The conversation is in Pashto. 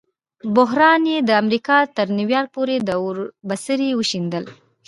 بحران یې د امریکا تر نیویارک پورې د اور بڅري وشیندل.